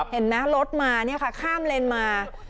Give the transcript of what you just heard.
เห็นไหมรถมาเนี่ยค่ะข้ามเลนมา